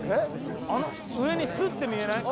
あの上に「す」って見えない？